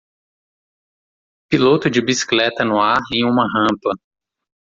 Piloto de bicicleta no ar em uma rampa